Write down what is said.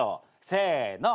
せの。